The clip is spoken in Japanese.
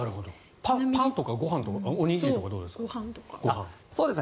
パンとかご飯とかおにぎりとかどうですか？